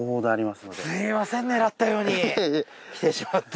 すみません狙ったように来てしまって。